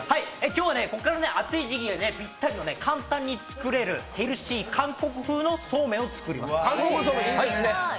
今日はここから暑い時期にはぴったりの簡単に作れるヘルシー韓国風のそうめんを作ります。